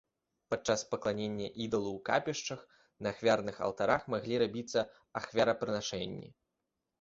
Падчас пакланення ідалу у капішчах, на ахвярных алтарах маглі рабіцца ахвярапрынашэнні.